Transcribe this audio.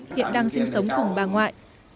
hiện đang sinh sống cùng bà ngoại